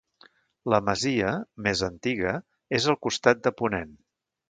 La masia, més antiga, és al costat de ponent.